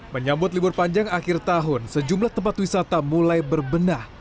menyambut libur panjang akhir tahun sejumlah tempat wisata mulai berbenah